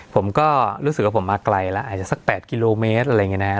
ผมก็รู้สึกว่าผมมาไกลแล้วอาจจะสัก๘กิโลเมตรอะไรอย่างนี้นะ